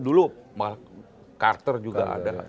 dulu carter juga ada